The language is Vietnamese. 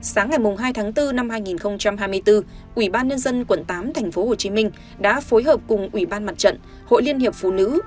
sáng ngày hai tháng bốn năm hai nghìn hai mươi bốn ủy ban nhân dân quận tám tp hcm đã phối hợp cùng ủy ban mặt trận hội liên hiệp phụ nữ